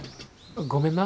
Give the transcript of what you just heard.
ごめんな。